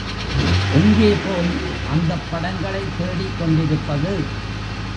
எங்கே போய் அந்தப் படங்களைத் தேடிக் கொண்டிருப்பது?